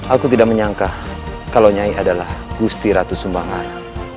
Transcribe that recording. aku tidak menyangka kalau nyai adalah gusti ratu sumbangan